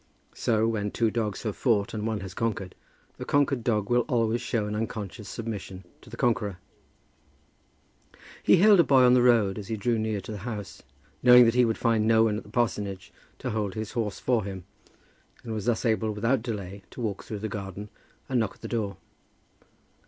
So, when two dogs have fought and one has conquered, the conquered dog will always show an unconscious submission to the conqueror. He hailed a boy on the road as he drew near to the house, knowing that he would find no one at the parsonage to hold his horse for him, and was thus able without delay to walk through the garden and knock at the door.